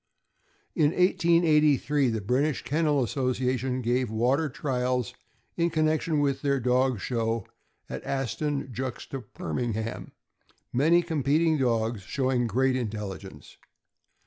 In 1883, the British Kennel Association gave water trials in connection with their dog show at Aston juxta Birmingham, many competing dogs show ing great intelligence.